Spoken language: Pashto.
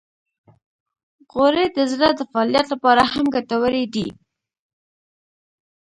غوړې د زړه د فعالیت لپاره هم ګټورې دي.